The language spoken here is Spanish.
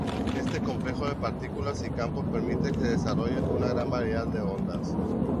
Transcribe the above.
Este complejo de partículas y campos permite se desarrollen una gran variedad de ondas.